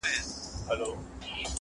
یو سړي ؤ په یو وخت کي سپی ساتلی-